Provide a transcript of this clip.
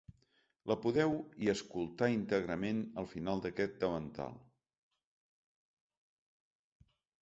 La podeu i escoltar íntegrament al final d’aquest davantal.